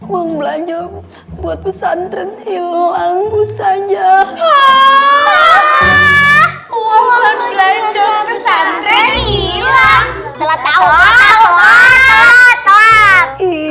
uang belanja buat pesantren hilang mustahaja uang belanja pesantren hilang telah tahu tahu